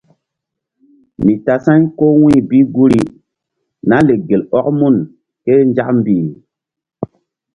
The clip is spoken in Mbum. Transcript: Mi tasa̧y ko wu̧y bi guri Nah lek gel ɔk mun ké nzak mbih.